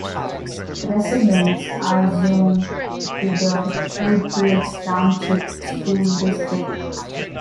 Residents are zoned to the Woodbridge Township School District.